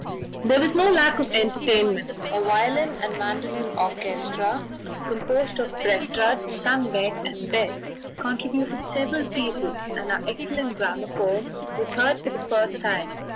There was no lack of entertainment. A violin and mandolin orchestra, composed of Prestrud, Sundbeck, and Beck, contributed several pieces, and our excellent gramophone was heard for the first time.